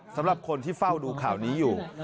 สำหรับคนที่เฝ้าดูข่าวนี้อยู่